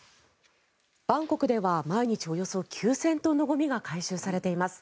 バンコクでは毎日およそ９０００トンのゴミが回収されています。